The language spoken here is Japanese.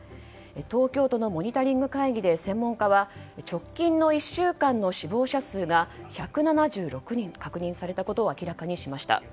東京都のモニタリング会議で専門家は直近の１週間の死亡者数が１７６人確認されたことを明らかにしました。